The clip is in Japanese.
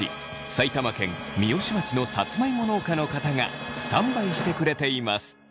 埼玉県三芳町のさつまいも農家の方がスタンバイしてくれています。